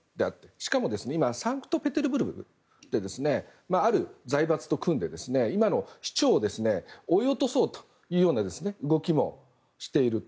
しかも今サンクトペテルブルクである財閥と組んで、今の市長を追い落とそうという動きもしていると。